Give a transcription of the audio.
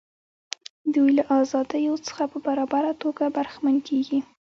دوی له ازادیو څخه په برابره توګه برخمن کیږي.